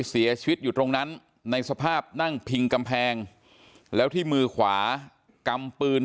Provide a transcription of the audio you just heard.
เสียชีวิตอยู่ตรงนั้นในสภาพนั่งพิงกำแพงแล้วที่มือขวากำปืน